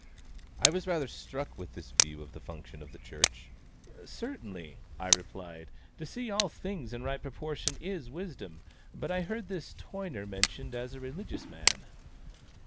I was rather struck with this view of the function of the Church. "Certainly," I replied, "to see all things in right proportion is wisdom; but I heard this Toyner mentioned as a religious man."